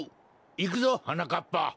いくぞはなかっぱ。